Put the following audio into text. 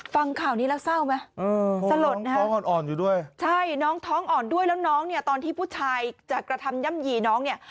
ฟังข่าวนี้แล้วเศร้าไหมสลดนะฮะท้องอ่อนอยู่ด้วยใช่น้องท้องอ่อนด้วยแล้วน้องเนี่ยตอนที่ผู้ชายจะกระทำย่ำหยี่น้องเนี่ย